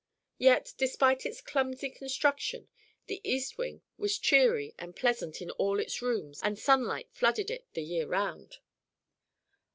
Yet, despite its clumsy construction, the East Wing was cheery and pleasant in all its rooms and sunlight flooded it the year round.